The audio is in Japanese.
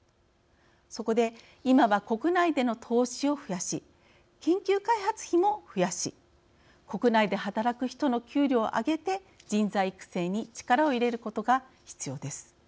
そこで、今は国内での投資を増やし研究開発費も増やし国内で働く人の給料を上げて人材育成に力を入れることが必要です。